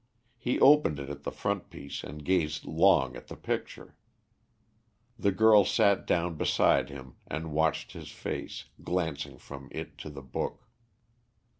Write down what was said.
He opened it at the frontispiece and gazed long at the picture. The girl sat down beside him and watched his face, glancing from it to the book.